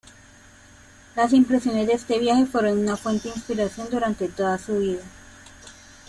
Las impresiones de este viaje fueron una fuente de inspiración durante toda su vida.